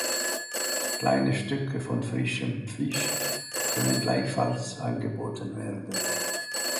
Kleine Stücke von frischem Fisch können gleichfalls angeboten werden.